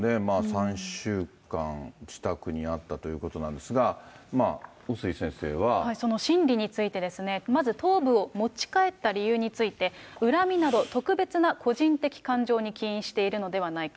３週間自宅にあったということなんですが、その心理についてですね、まず頭部を持ち帰った理由について、恨みなど特別な個人的感情に起因しているのではないか。